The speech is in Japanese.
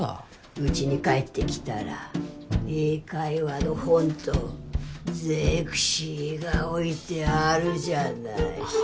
うちに帰ってきたら英会話の本と「ゼクシィ」が置いてあるじゃないは